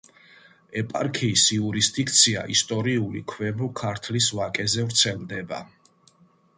ეპარქიის იურისდიქცია ისტორიული ქვემო ქართლის ვაკეზე ვრცელდება.